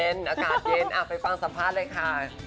อากาศเย็นไปฟังสัมภาษณ์เลยค่ะ